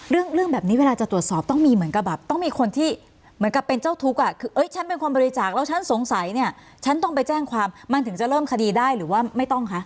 เรื่องเรื่องแบบนี้เวลาจะตรวจสอบต้องมีเหมือนกับแบบต้องมีคนที่เหมือนกับเป็นเจ้าทุกข์อ่ะคือเอ้ยฉันเป็นคนบริจาคแล้วฉันสงสัยเนี่ยฉันต้องไปแจ้งความมันถึงจะเริ่มคดีได้หรือว่าไม่ต้องคะ